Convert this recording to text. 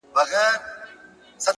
د زغم ځواک لوی هدفونه ممکن کوي’